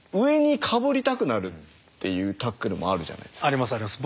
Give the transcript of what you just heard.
ありますあります。